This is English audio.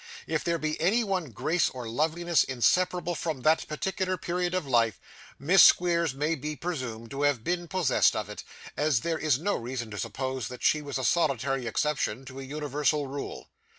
If there be any one grace or loveliness inseparable from that particular period of life, Miss Squeers may be presumed to have been possessed of it, as there is no reason to suppose that she was a solitary exception to an universal rule.